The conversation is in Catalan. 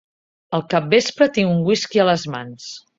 Al capvespre tinc un whisky a les mans.